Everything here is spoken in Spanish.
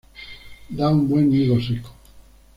Da un buen higo seco.